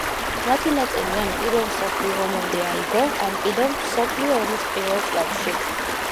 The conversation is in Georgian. მათი ნაწილი ან პირველ მსოფლიო ომამდე აიგო, ან კიდევ მსოფლიო ომის პირველ წლებში.